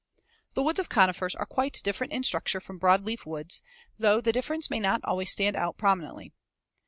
The woods of conifers are quite different in structure from broadleaf woods, though the difference may not always stand out prominently.